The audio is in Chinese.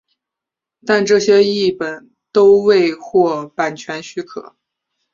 但这些译本都未获版权许可。